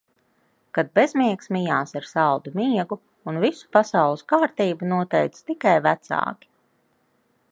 Kad bezmiegs mijās ar saldu miegu un visu pasaules kārtību noteica tikai vecāki...